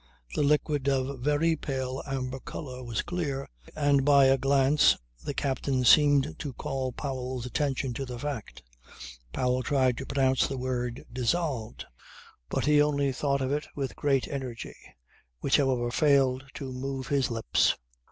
The liquid, of very pale amber colour, was clear, and by a glance the captain seemed to call Powell's attention to the fact. Powell tried to pronounce the word, "dissolved" but he only thought of it with great energy which however failed to move his lips.